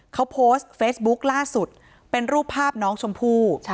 เขาโพสต์เฟซบุ๊คล่าสุดเป็นรูปภาพน้องชมพู่